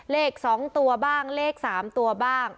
เลข๒ตัวบ้างเลข๓ตัวบ้าง